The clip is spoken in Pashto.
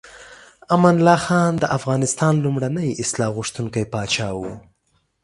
امان الله خان د افغانستان لومړنی اصلاح غوښتونکی پاچا و.